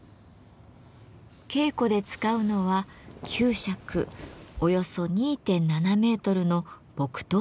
稽古で使うのは９尺およそ２．７ｍの木刀の薙刀。